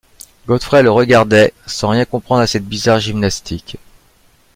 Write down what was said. Godfrey le regardait, sans rien comprendre à cette bizarre gymnastique.